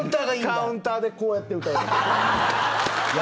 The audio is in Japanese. カウンターでこうやって歌う。